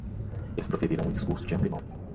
Elas proferirão o discurso de antemão